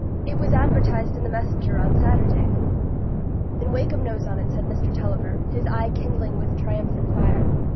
It was advertised in the 'Messenger' on Saturday." "Then Wakem knows on't!" said Mr Tulliver, his eye kindling with triumphant fire.